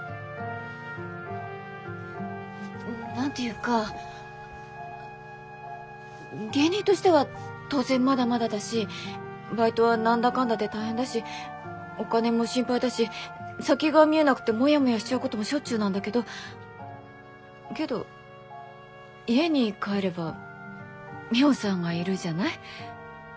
何て言うか芸人としては当然まだまだだしバイトは何だかんだで大変だしお金も心配だし先が見えなくてモヤモヤしちゃうこともしょっちゅうなんだけどけど家に帰ればミホさんがいるじゃない。